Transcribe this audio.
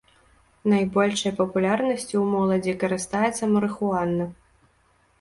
Найбольшай папулярнасцю ў моладзі карыстаецца марыхуана.